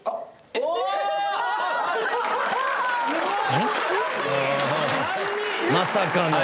えっ？まさかの。